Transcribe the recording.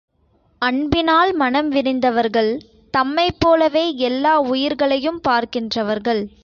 அன்பினால் மனம் விரிந்தவர்கள், தம்மைப் போலவே எல்லா உயிர்களையும் பார்க்கின்றவர்கள்.